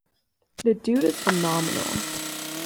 The dude is phenomenal.